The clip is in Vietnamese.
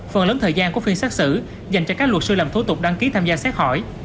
phần lớn thời gian của phiên xác xử dành cho các luật sư làm thủ tục đăng ký tham gia xét hỏi